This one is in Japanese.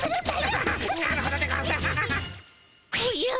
アハハなるほどでゴンス。